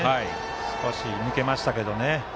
少し抜けましたけどね。